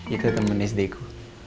itu temen sd ku